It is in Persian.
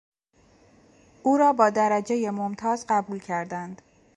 او را با درجهی ممتاز قبول کردند.